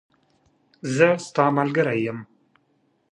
زه ستاملګری یم .